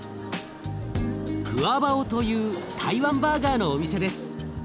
グアバオという台湾バーガーのお店です。